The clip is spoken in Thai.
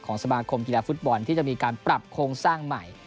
สมาคมกีฬาฟุตบอลที่จะมีการปรับโครงสร้างใหม่